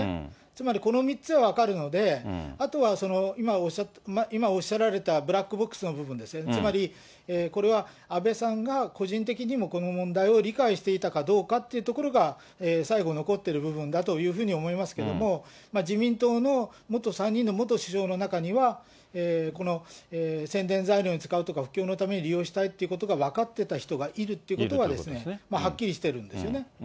つまりこの３つは分かるので、あとは今おっしゃられたブラックボックスの部分ですよね、つまりこれは、安倍さんが個人的にもこの問題を理解していたかどうかというところが最後残っている部分だというふうに思いますけれども、自民党の元３人の元首相の中には、この宣伝材料に使うとか、布教のために利用したいということが分かってた人がいるってことは、はっきりしているんですよね。